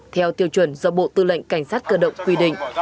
theo tiêu chuẩn do bộ tư lệnh cảnh sát cơ động quy định